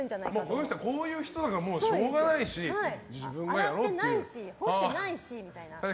この人はこういう人だからしょうがないし洗ってないし干してないしみたいな。